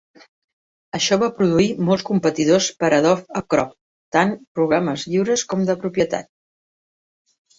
Això va produir molts competidors per a Adobe Acrobat, tant programes lliures com de propietat.